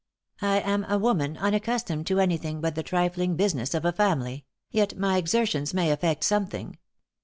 "I am a woman unaccustomed to anything but the trifling business of a family; yet my exertions may effect something.